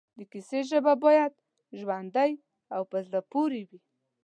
د کیسې ژبه باید ژوندۍ او پر زړه پورې وي